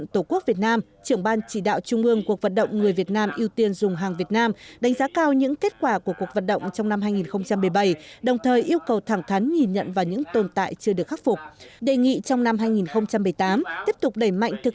tổ quốc việt nam trưởng ban chỉ đạo trung ương cuộc vận động người việt nam ưu tiên dùng hàng việt nam đã triển khai mạnh mẽ trên khắp các tỉnh thành địa phương trong cả nước